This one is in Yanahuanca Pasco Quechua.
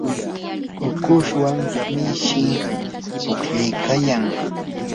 ukushwan mishi pukllaykayan.